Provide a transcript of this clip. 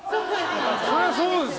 そりゃそうです。